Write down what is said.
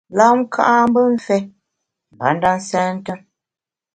Lam ka’ mbe mfé mbanda nsènte.